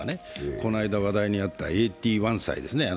この間話題になったＡＴ−１債ですね